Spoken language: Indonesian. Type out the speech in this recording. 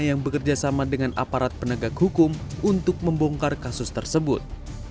yang bekerjasama dengan aparat penegak hukum untuk membongkar kasus tersebut